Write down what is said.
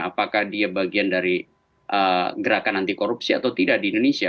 apakah dia bagian dari gerakan anti korupsi atau tidak di indonesia